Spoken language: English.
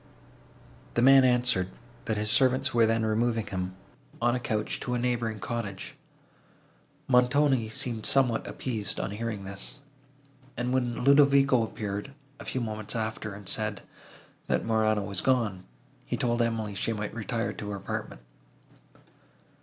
The man answered, that his servants were then removing him, on a couch, to a neighbouring cottage. Montoni seemed somewhat appeased, on hearing this; and, when Ludovico appeared, a few moments after, and said, that Morano was gone, he told Emily she might retire to her apartment.